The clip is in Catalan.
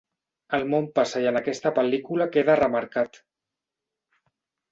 El món passa i en aquesta pel·lícula queda remarcat.